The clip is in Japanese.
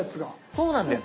そうなんです。